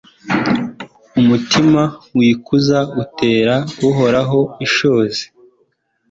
Umutima wikuza utera Uhoraho ishozi